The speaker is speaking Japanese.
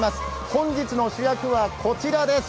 本日の主役は、こちらです。